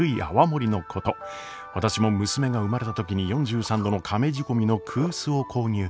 私も娘が生まれた時に４３度のかめ仕込みの古酒を購入。